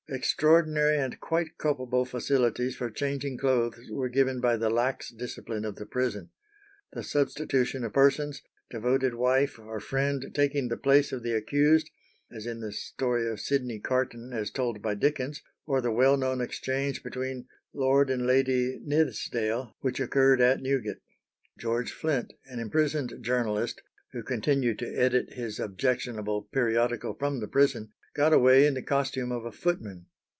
Extraordinary and quite culpable facilities for changing clothes were given by the lax discipline of the prison. The substitution of persons, devoted wife or friend, taking the place of the accused, as in the story of Sydney Carton, as told by Dickens; or the well known exchange between Lord and Lady Nithsdale, which occurred at Newgate. George Flint, an imprisoned journalist, who continued to edit his objectionable periodical from the prison, got away in the costume of a footman.